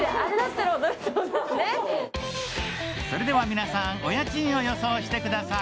皆さん、お家賃を予想してください。